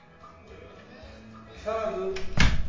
「木更津芸」